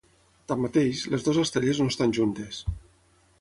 Tanmateix, les dues estrelles no estan juntes.